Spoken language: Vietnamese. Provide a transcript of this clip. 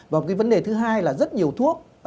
và cái vấn đề thứ hai là rất nhiều thuốc